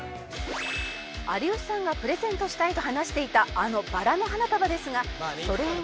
「有吉さんが“プレゼントしたい”と話していたあのバラの花束ですがそれが」